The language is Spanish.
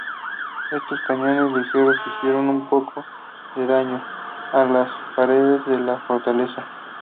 Estos cañones ligeros hicieron poco daño a las paredes de la fortaleza.